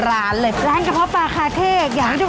ขอบคุณมากด้วยค่ะพี่ทุกท่านเองนะคะขอบคุณมากด้วยค่ะพี่ทุกท่านเองนะคะ